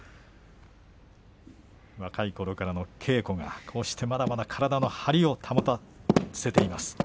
若いころからの稽古がこうしてまだまだ体の張りを保たせています。